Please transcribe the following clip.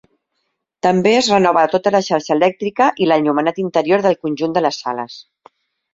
També es renova tota la xarxa elèctrica i l'enllumenat interior del conjunt de les sales.